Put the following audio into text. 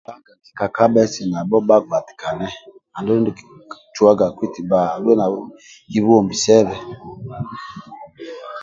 Kakaba eti nabo bagbatikane andulu ndiekikicuwagaku eti ba nabo kibubhonbisebhe